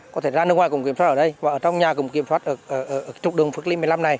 có thể ra nước ngoài cũng kiểm soát ở đây và ở trong nhà cũng kiểm soát trục đường phước ly một mươi năm này